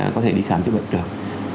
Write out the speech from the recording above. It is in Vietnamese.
có thể đi khám chữa bệnh được